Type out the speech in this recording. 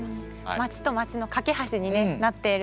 町と町の懸け橋になっている。